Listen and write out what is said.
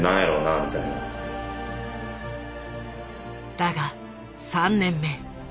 だが３年目。